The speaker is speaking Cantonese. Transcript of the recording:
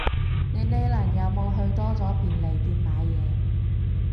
你呢輪有冇去多咗便利店買嘢